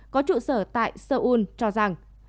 có trụ sở tại seoul cho rằng